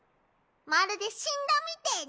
まるで死んだみてぇに。